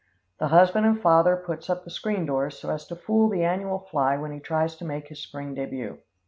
The husband and father puts up the screen doors, so as to fool the annual fly when he tries to make his spring debut.